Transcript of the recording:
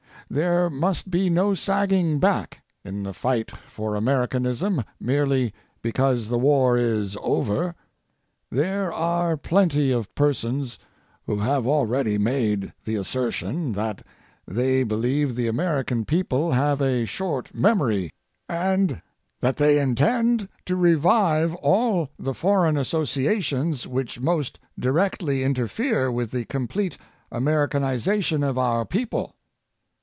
There must be no sagging back in the fight for Americanism merely because the war is over. There are plenty of persons who have already made the assertion that they believe the American people have a short memory and that they intend to revive all the foreign associations which most directly interfere with the complete American ization of our people.